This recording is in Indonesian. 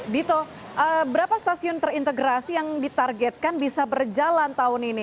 dito berapa stasiun terintegrasi yang ditargetkan bisa berjalan tahun ini